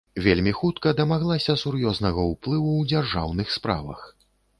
Вельмі хутка дамаглася сур'ёзнага ўплыву ў дзяржаўных справах.